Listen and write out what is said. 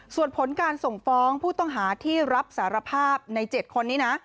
ส่วนผลการส่งฟ้องผู้ต้องหาที่รับสารภาพใน๗คนนี้นะ